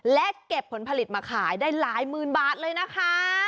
และเก็บผลผลิตมาขายได้หลายหมื่นบาทเลยนะคะ